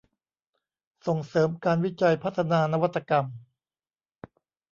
ส่งเสริมการวิจัยพัฒนานวัตกรรม